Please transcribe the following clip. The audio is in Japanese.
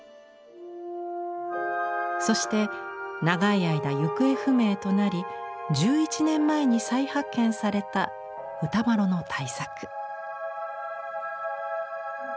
そして長い間行方不明となり１１年前に再発見された歌麿の大作。